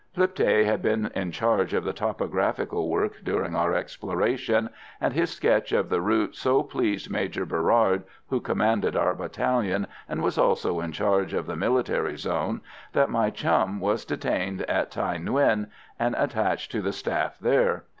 Lipthay had been in charge of the topographical work during our exploration, and his sketch of the route so pleased Major Berard, who commanded our battalion and was also in charge of the military zone, that my chum was detained in Thaï Nguyen, and attached to the staff there.